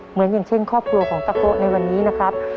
เหมือนอย่างเช่นครอบครัวของตะโกะในวันนี้นะครับ